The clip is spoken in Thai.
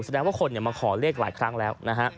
แสดงว่าคนมาขอเลขหลายครั้งแล้วนะฮะ